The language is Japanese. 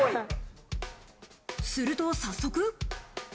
すると早速。